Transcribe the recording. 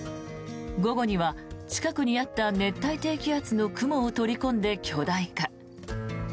午後には近くにあった熱帯低気圧の雲を取り込んで巨大化。